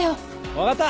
わかった！